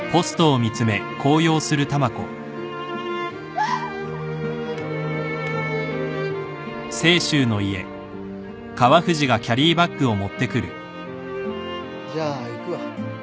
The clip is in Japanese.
わあっ！じゃあ行くわ。